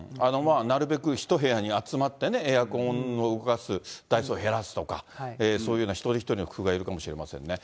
なるべく１部屋に集まってね、エアコンを動かす台数を減らすとか、そういうような一人一人の工夫がいるかもしれませんね。